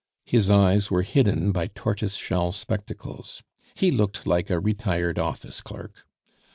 His eyes were hidden by tortoise shell spectacles. He looked like a retired office clerk.